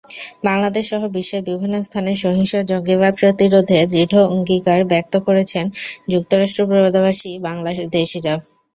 বাংলাদেশসহ বিশ্বের বিভিন্ন স্থানে সহিংস জঙ্গিবাদ প্রতিরোধে দৃঢ় অঙ্গীকার ব্যক্ত করেছেন যুক্তরাষ্ট্রপ্রবাসী বাংলাদেশিরা।